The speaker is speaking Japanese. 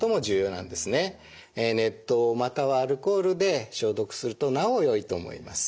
熱湯またはアルコールで消毒するとなおよいと思います。